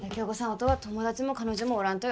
音は友達も彼女もおらんとよ